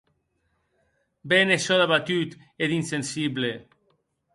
Be ne sò d’abatut e d’insensible!